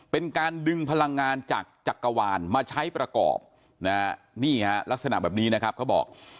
เป็นการดึงพลังงานจากจักรวาลมาใช้ประกอบนะฮะนี่ฮะลักษณะแบบนี้นะครับเขาบอก